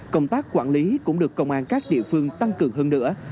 công tác quản lý cũng được công an các địa phương tăng cường hơn nữa